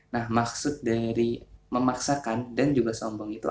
nah maksud dari memaksakan dan juga sombongnya adalah